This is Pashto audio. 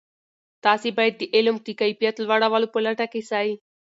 تاسې باید د علم د کیفیت لوړولو په لټه کې سئ.